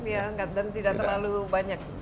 ya enggak dan tidak terlalu banyak